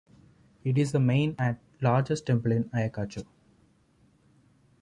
It is the main and largest temple in Ayacucho.